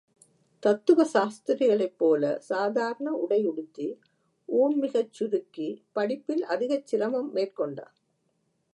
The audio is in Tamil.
தத்துவ சாஸ்திரிகளைப்போல சாதாரண உடை உடுத்தி, ஊண் மிகச் சுருக்கி, படிப்பில் அதிகச் சிரமம் மேற்கொண்டான்.